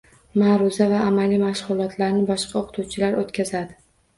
Maʼruza va amaliy mashgʻulotlarni boshqa oʻqituvchilar oʻtkazidi